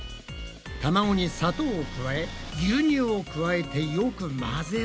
たまごに砂糖を加え牛乳を加えてよく混ぜる。